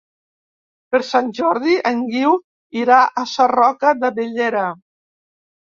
Per Sant Jordi en Guiu irà a Sarroca de Bellera.